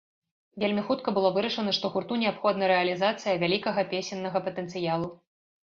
Вельмі хутка было вырашана, што гурту неабходна рэалізацыя вялікага песеннага патэнцыялу.